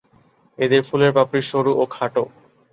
এদের ফুলের পাপড়ি সরু ও খাটো।